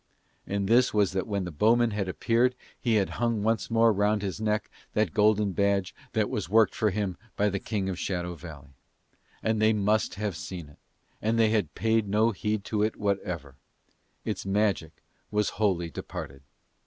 And this was that when the bowmen had appeared he had hung once more round his neck that golden badge that was worked for him by the King of Shadow Valley; and they must have seen it, and they had paid no heed to it whatever: its magic was wholly departed.